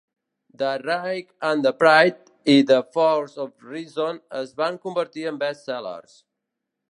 "The Rage and the Pride" i "The Force of Reason" es van convertir en best-sellers.